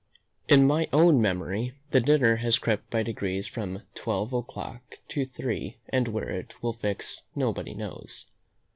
In my own memory, the dinner has crept by degrees from twelve o'clock to three, and where it will fix nobody knows.